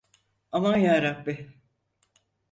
Aman yarabbi!